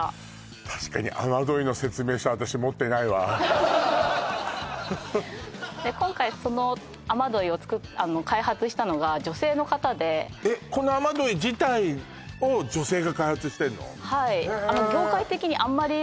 確かに雨どいの説明書私持ってないわ今回その雨どいを開発したのが女性の方でえっこの雨どい自体を女性が開発してんの？